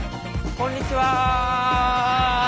こんにちは！